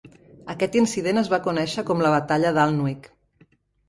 Aquest incident es va conèixer com la batalla d'Alnwick.